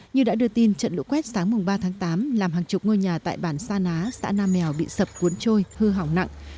như đã đưa tin trận lũ quét sáng ba tháng tám làm hàng chục ngôi nhà tại bản sa ná xã nam mèo bị sập cuốn trôi hư hỏng nặng